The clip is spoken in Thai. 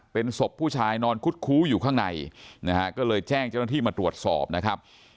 เป็นศพผู้ชายนอนคุดคู้อยู่ข้างในนะฮะก็เลยแจ้งเจ้าหน้าที่มาตรวจสอบนะครับ